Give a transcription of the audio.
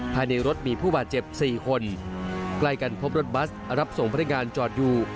ภายในรถมีผู้บาดเจ็บ๔คนใกล้กันพบรถบัสรับส่งพนักงานจอดอยู่